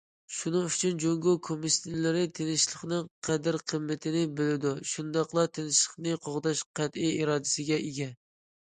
شۇنىڭ ئۈچۈن جۇڭگو كوممۇنىستلىرى تىنچلىقنىڭ قەدىر- قىممىتىنى بىلىدۇ، شۇنداقلا تىنچلىقنى قوغداش قەتئىي ئىرادىسىگە ئىگە.